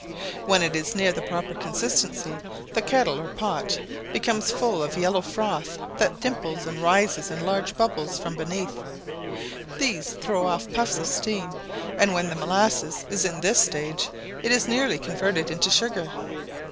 When it is near the proper consistency, the kettle or pot becomes full of yellow froth, that dimples and rises in large bubbles from beneath. These throw out puffs of steam, and when the molasses is in this stage, it is nearly converted into sugar.